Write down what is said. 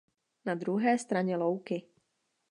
Na druhé straně louky.